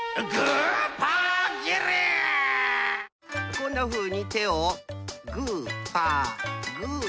こんなふうに手をグーパーグーパー。